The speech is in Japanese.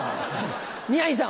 宮治さん